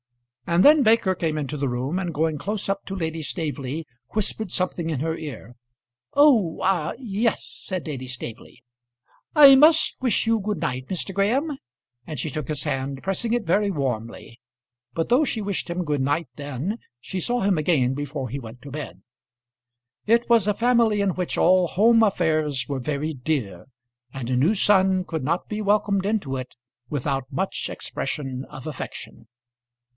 And then Baker came into the room, and going close up to Lady Staveley, whispered something in her ear. "Oh, ah, yes," said Lady Staveley. "I must wish you good night, Mr. Graham." And she took his hand, pressing it very warmly. But though she wished him good night then, she saw him again before he went to bed. It was a family in which all home affairs were very dear, and a new son could not be welcomed into it without much expression of affection.